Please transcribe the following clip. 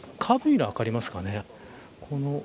カーブミラー、分かりますかね。